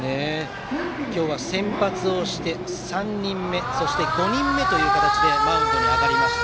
今日は先発をして３人目そして５人目という形でマウンドに上がりました。